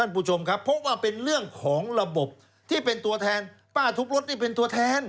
เพราะว่าเป็นเรื่องของระบบที่เป็นตัวแทนป้าทุบรถเป็นตัวแทน